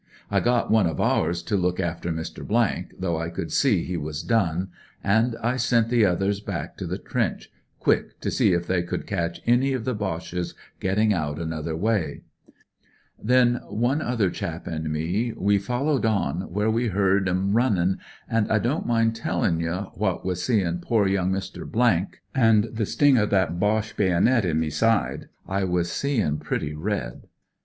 I got one < i our= to look after Mr, , though I ct>uld see he ^as done, and I sent the others bacK t the trench quick to see if they could catch any of the Boches gettinji out another way. Then me other chap an' me, we followed on vhere we 1 '*arr »en annin', an' I don't mind tellin y 4, hat with seein' po( voung Mr. — the sting o' that Boche bi ait in n. de, I was seein' prettj red.